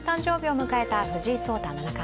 先週、誕生日を迎えた藤井聡太七冠。